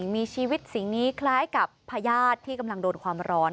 มีชีวิตสิ่งนี้คล้ายกับพญาติที่กำลังโดนความร้อน